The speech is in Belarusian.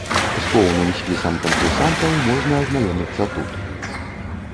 З поўным спісам канкурсантаў можна азнаёміцца тут.